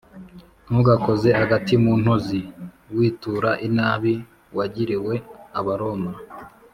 Ntugakoze agati mu ntozi witura inabi wagiriwe abaroma